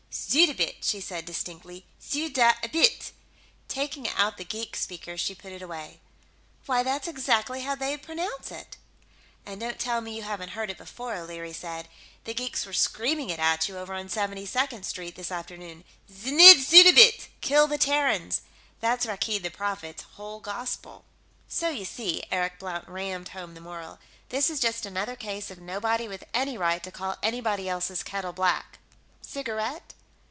"Suddabit," she said, distinctly. "Sud da a bit." Taking out the geek speaker, she put it away. "Why, that's exactly how they'd pronounce it!" "And don't tell me you haven't heard it before," O'Leary said. "The geeks were screaming it at you, over on Seventy second Street, this afternoon. Znidd suddabit; kill the Terrans. That's Rakkeed the Prophet's whole gospel." "So you see," Eric Blount rammed home the moral, "this is just another case of nobody with any right to call anybody else's kettle black.... Cigarette?"